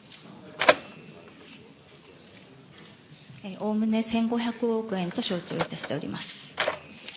おおむね１５００億円と承知をいたしております。